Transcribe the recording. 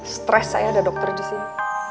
stres saya ada dokter disini